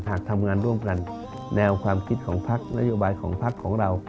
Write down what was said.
หากทำงานร่วมกันแนวความคิดของพักนโยบายของพักของเรา